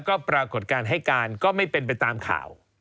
ก็ปรากฏการณ์ให้การก็ไม่เป็นไปตามข่าว